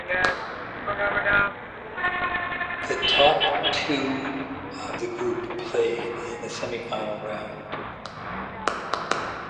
The top two of group played in the semifinal round.